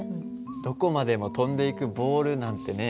どこまでも飛んでいくボールなんてね。